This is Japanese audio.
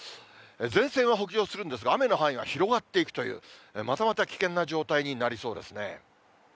前線は北上するんですが、雨の範囲が広がっていくという、またまた危険な状態になりそうですね。